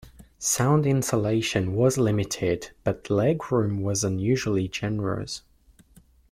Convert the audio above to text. Sound insulation was limited, but leg room was unusually generous.